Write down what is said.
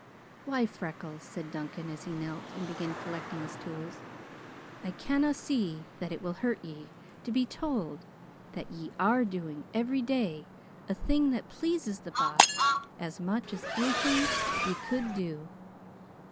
"Why, Freckles," said Duncan, as he knelt and began collecting his tools, "I canna see that it will hurt ye to be told that ye are doing every day a thing that pleases the Boss as much as anything ye could do.